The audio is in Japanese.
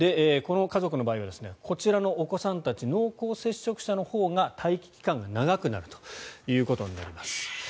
この家族の場合はこちらのお子さんたち濃厚接触者のほうが待機期間が長くなるということになります。